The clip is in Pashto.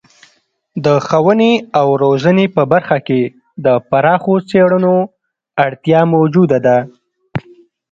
د ښوونې او روزنې په برخه کې د پراخو څیړنو اړتیا موجوده ده.